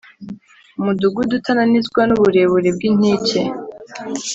umudugudu utunanizwa n uburebure bw inkike